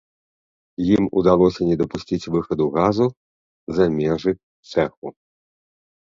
Ім удалося не дапусціць выхаду газу за межы цэху.